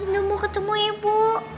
indah mau ketemu ibu